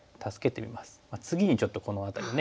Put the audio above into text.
次にちょっとこの辺りのね